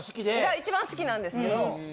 一番好きなんですけど。